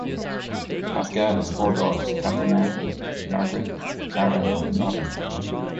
Pascal has four daughters, Catherine Anne, Margaret, Clara, and Robin.